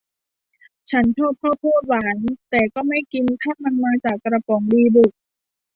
ฉันชอบข้าวโพดหวาน แต่ก็ไม่กินถ้ามันมาจากกระป๋องดีบุก